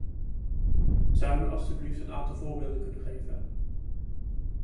Zou u alstublieft een aantal voorbeelden kunnen geven?